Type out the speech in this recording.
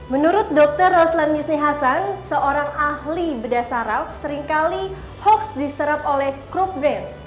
menurut dokter roslan yusni hasan seorang ahli berdasar rap seringkali hoax diserap oleh crook brain